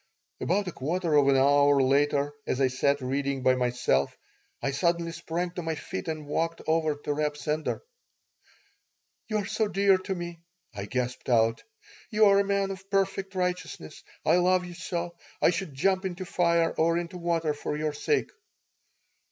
About a quarter of an hour later, as I sat reading by myself, I suddenly sprang to my feet and walked over to Reb Sender "You are so dear to me," I gasped out. "You are a man of perfect righteousness. I love you so. I should jump into fire or into water for your sake."